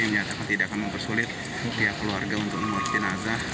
yang nyatakan tidak akan mempersulit keluarga untuk mengambil jenazah